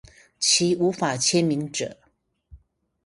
其無法簽名者